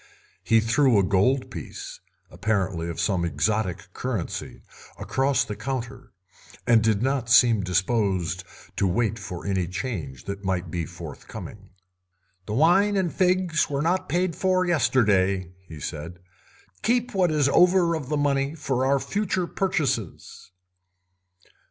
He threw a gold piece, apparently of some exotic currency, across the counter, and did not seem disposed to wait for any change that might be forthcoming. "The wine and figs were not paid for yesterday," he said; "keep what is over of the money for our future purchases."